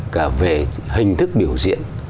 cả về hình thức biểu diễn